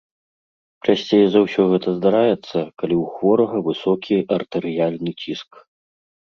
Часцей за ўсё гэта здараецца, калі ў хворага высокі артэрыяльны ціск.